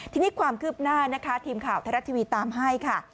ทีนี้ความคืบหน้านะคะทีมข่าวไทยรัฐทีวีตามให้ค่ะ